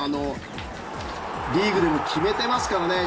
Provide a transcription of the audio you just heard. リーグでも決めてますからね。